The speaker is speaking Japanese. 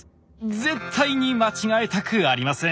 絶対に間違えたくありません。